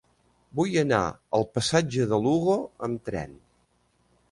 Vull anar al passatge de Lugo amb tren.